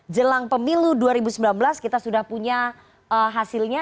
jelang pemilu dua ribu sembilan belas kita sudah punya hasilnya